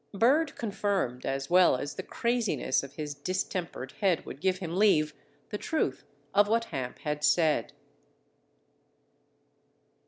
Bird confirmed, as well as the craziness of his distempered head would give him leave, the truth of what Hamp had said.